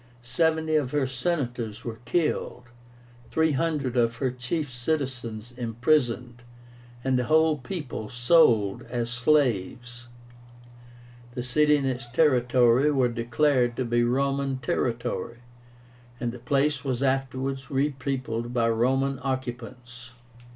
Seventy of her Senators were killed, three hundred of her chief citizens imprisoned, and the whole people sold as slaves. The city and its territory were declared to be Roman territory, and the place was afterwards repeopled by Roman occupants.